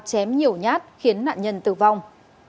chém nhiều nhát khiến nạn nhân tử vong